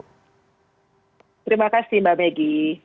terima kasih mbak begy